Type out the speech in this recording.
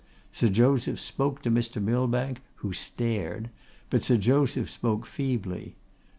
Sir Joseph spoke to Mr. Millbank, who stared; but Sir Joseph spoke feebly.